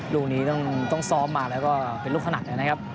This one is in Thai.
ลูกนี้ต้องซ้อมมาแล้วก็เป็นลูกถนัดนะครับ